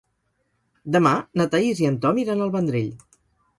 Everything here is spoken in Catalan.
Demà na Thaís i en Tom iran al Vendrell.